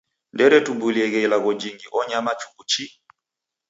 Nderetumbulieghe ilagho jingi onyama chuku chi.